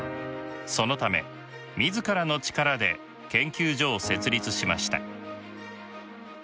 そのため自らの力で研究所を設立しました。